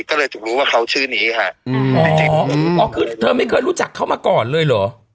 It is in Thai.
ก็เลยถูกรู้ว่าเขาชื่อนี้ค่ะอ๋ออ๋อคือเธอไม่เคยรู้จักเขามาก่อนเลยเหรอ